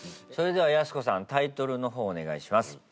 それではやす子さんタイトルの方お願いします。